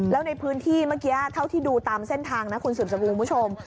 แล้วในพื้นที่เมื่อกี้เท่าที่ดูตามเส้นทางนะคุณสืบสกุลคุณผู้ชม